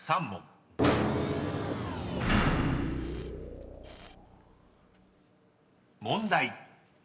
［問題］